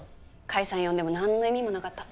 甲斐さん呼んでもなんの意味もなかった。